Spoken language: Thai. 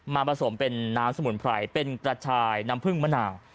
มาผสมเป็นน้ำสมุนไพรเป็นกระชายน้ำผึ้งมะนาว